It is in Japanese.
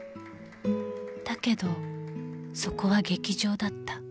［だけどそこは劇場だった］